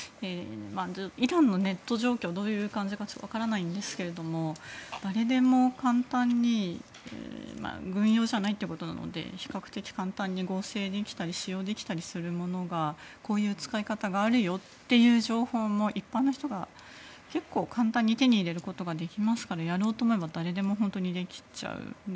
イランのネット状況がどういう感じかわからないんですが誰でも簡単に軍用じゃないということなので比較的簡単に合成できたり使用できたりするものがこういう使い方があるよという情報も一般の人が結構簡単に手に入れることができますからやろうと思えば誰でも本当にできちゃう。